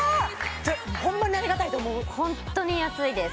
ホンマにありがたいと思うホントに安いです